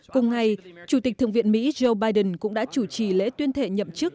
cùng ngày chủ tịch thượng viện mỹ joe biden cũng đã chủ trì lễ tuyên thệ nhậm chức